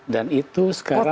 dan itu sekarang